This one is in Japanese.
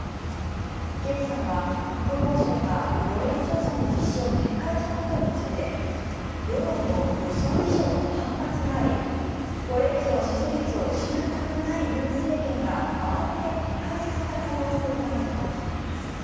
金さんは国防省が世論調査の実施を撤回したことについて世論の予想以上の反発がありこれ以上支持率を失いたくない尹政権が慌てて撤回させた可能性があるとしています。